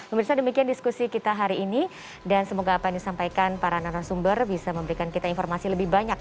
pemirsa demikian diskusi kita hari ini dan semoga apa yang disampaikan para narasumber bisa memberikan kita informasi lebih banyak